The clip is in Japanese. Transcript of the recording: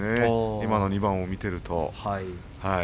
今の２番を見ていると。